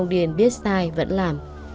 điền biết sai vẫn làm